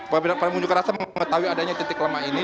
para pengunjuk rasa mengetahui adanya titik lemah ini